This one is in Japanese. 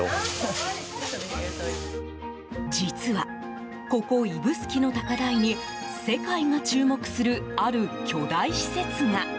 実は、ここ指宿の高台に世界が注目するある巨大施設が。